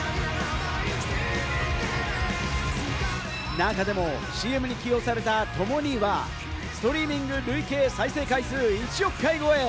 中でもＣＭに起用された『ともに』はストリーミング累計再生回数、１億回超え。